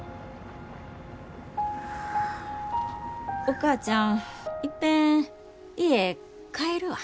お母ちゃんいっぺん家帰るわ。